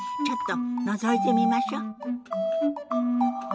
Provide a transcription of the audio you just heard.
ちょっとのぞいてみましょ。